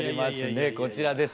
こちらです。